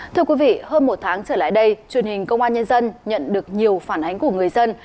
thưa quý vị hơn một tháng trở lại đây truyền hình công an nhân dân nhận được nhiều phản ánh của người dân